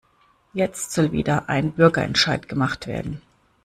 Jetzt soll wieder ein Bürgerentscheid gemacht werden.